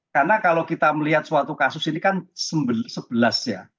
karena kalau kita melihat suatu kasus ini kan sebelas ya